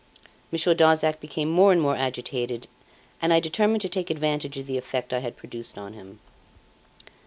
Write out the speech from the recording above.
Monsieur Darzac became more and more agitated, and I determined to take advantage of the effect I had produced on him.